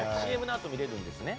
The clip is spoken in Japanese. ＣＭのあと見れるんですよね。